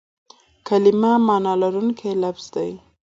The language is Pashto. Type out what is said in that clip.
کلیمه مانا لرونکی لفظ دئ.